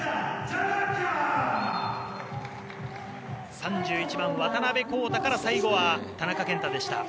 ３１番、渡辺晃大から最後は田中健太でした。